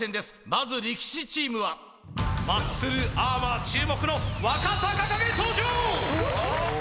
まず力士チームはマッスルアーマー注目の若隆景登場！